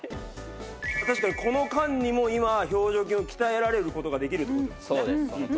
確かにこの間にも今表情筋を鍛えられる事ができるっていう事ですもんね。